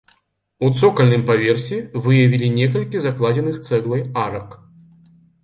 У цокальным паверсе выявілі некалькі закладзеных цэглай арак.